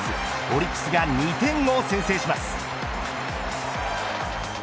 オリックスが２点を先制します。